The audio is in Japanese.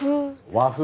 和風。